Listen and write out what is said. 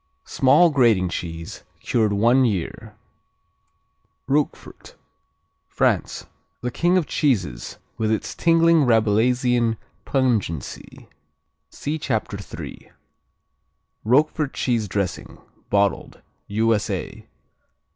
Small grating cheese, cured one year. Roquefort France King of cheeses, with its "tingling Rabelaisian pungency." See Chapter 3. Roquefort cheese dressing, bottled _U.S.A.